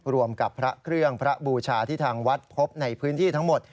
รวมกับพระเครื่องพระบูชาที่ทางวัดพบในพื้นที่ทั้งหมด